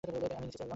আমি নিচে চললাম।